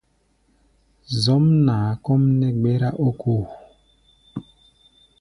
Zɔ̌mnaa kɔ́ʼm nɛ́ gbɛ́rá ókóo.